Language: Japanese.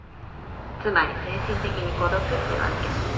つまり精神的に孤独ってわけ。